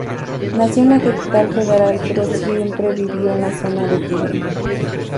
Nació en la Capital Federal, pero siempre vivió en la zona de Tigre.